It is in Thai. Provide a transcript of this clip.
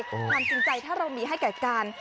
ความจริงใจถ้าเรามีให้แก่กัน